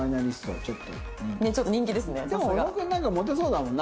でも小野君なんかモテそうだもんな。